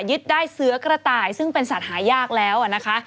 ยึดได้เสื้อกระต่ายซึ่งเป็นสัตว์หายากแล้วนะคะ